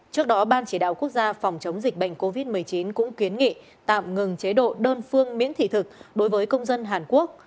trước đó ban chỉ đạo quốc gia phòng chống dịch bệnh covid một mươi chín cũng kiến nghị tạm ngừng chế độ đơn phương miễn thị thực đối với công dân hàn quốc